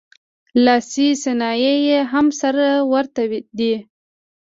لاسي صنایع یې هم سره ورته دي